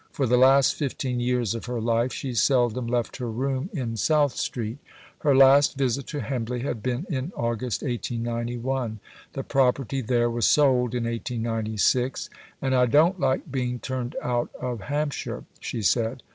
For the last fifteen years of her life she seldom left her room in South Street. Her last visit to Embley had been in August 1891. The property there was sold in 1896, "and I don't like being turned out of Hampshire," she said.